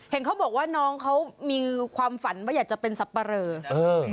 เห็นเขาบอกว่าน้องเขามีความฝันว่าอยากจะเป็นสับปะเรอ